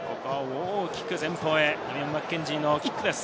大きく前方へ、ダミアン・マッケンジーのキックです。